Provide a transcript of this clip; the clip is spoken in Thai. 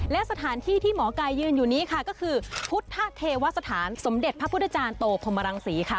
และสถานที่ที่หมอกายยืนอยู่นี้ค่ะก็คือพุทธเทวสถานสมเด็จพระพุทธจารย์โตพรมรังศรีค่ะ